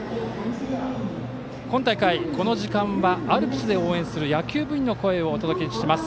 今大会、この時間はアルプスで応援する野球部員の声をお届けします。